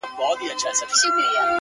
زه مي له ژونده په اووه قرآنه کرکه لرم ـ